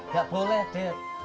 gak boleh dad